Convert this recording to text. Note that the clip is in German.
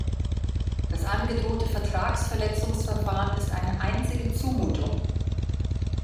Das angedrohte Vertragsverletzungsverfahren ist eine einzige Zumutung!